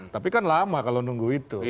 tapi kan lama kalau nunggu itu